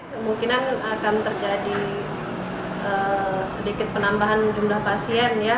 kemungkinan akan terjadi sedikit penambahan jumlah pasien ya